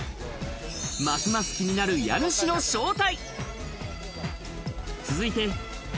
ますます気になる家主の正体。